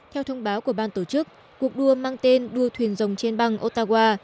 theo thông báo của ban tổ chức cuộc đua mang tên đua thuyền rồng trên băng ottawa